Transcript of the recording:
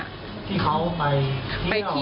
ที่เขาไปเที่ยว